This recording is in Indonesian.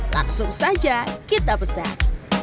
langsung saja kita pesan